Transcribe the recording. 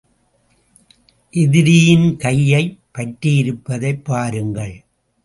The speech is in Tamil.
எதிரியின் கையைப் பற்றியிருப்பதைப் பாருங்கள்.